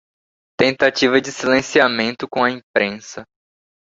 Tentativa de silenciamento com a imprensa